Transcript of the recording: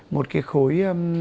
một cái khối